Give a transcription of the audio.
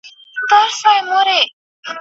ما د خپل جانان د کوڅې لوری پېژندلی دی